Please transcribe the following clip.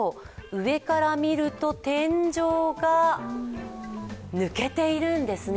上から見ると、天井が抜けているんですね。